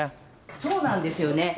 そうなんですよね。